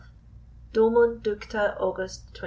Domum Ducta August 24.